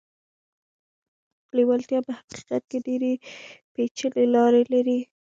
لېوالتیا په حقيقت کې ډېرې پېچلې لارې لري.